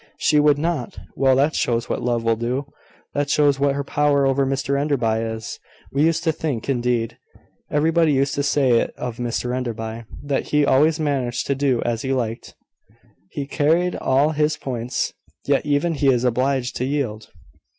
"She would not! Well, that shows what love will do. That shows what her power over Mr Enderby is. We used to think indeed, everybody used to say it of Mr Enderby, that he always managed to do as he liked he carried all his points. Yet even he is obliged to yield."